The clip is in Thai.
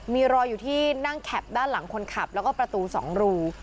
มีรอยอยู่ที่นั่งแคปด้านหลังคนขับแล้วก็ประตู๒รู